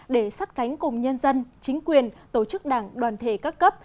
để sát cánh cùng nhân dân chính quyền tổ chức đảng đoàn thể các cấp